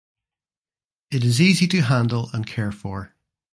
It is easy to handle and care for.